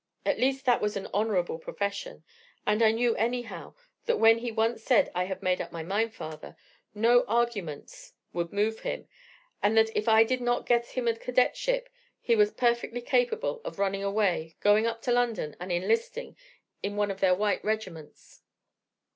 At least that was an honorable profession; and I knew, anyhow, that when he once said 'I have made up my mind, father,' no arguments would move him, and that if I did not get him a cadetship he was perfectly capable of running away, going up to London, and enlisting in one of their white regiments."